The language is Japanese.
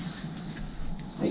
はい。